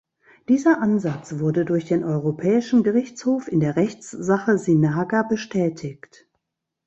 Dieser Ansatz wurde durch den Europäischen Gerichtshof in der Rechtssache Sinaga bestätigt.